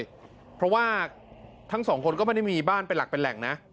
เผือนาด่วงจังหวัดเลยเพราะว่าทั้งสองคนก็ไม่ได้มีบ้านเป็นหลักเป็นแหล่งนะ